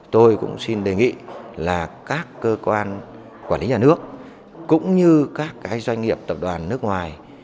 tôi cũng xin đề nghị là các cơ quan quản lý nhà nước cũng như các doanh nghiệp tập đoàn nước ngoài